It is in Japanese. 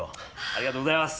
ありがとうございます！